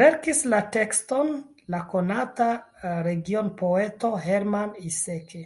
Verkis la tekston la konata regionpoeto Hermann Iseke.